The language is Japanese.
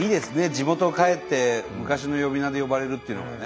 地元帰って昔の呼び名で呼ばれるっていうのはね。